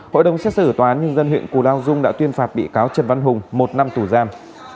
hội đồng xét xử tòa án nhân dân huyện cù lao dung đã tuyên phạt bị cáo trần văn hùng một năm tù giam